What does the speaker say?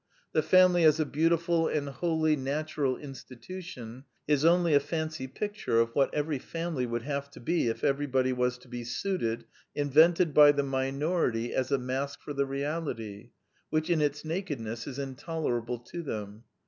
The family as a Ideals and Idealists 25 beautiful and holy natural institution is only a fancy picture of what every family would have to be if everybody was to be suited, invented by the minority as a mask for the reality, which in its nakedness is intolerable to them.